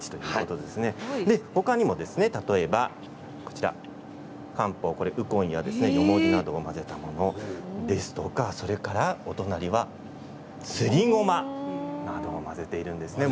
ほかにも例えば漢方、ウコンやヨモギなどを混ぜたものですとかお隣はすりごまなども混ぜているんですね。